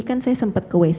kan saya sempat ke wc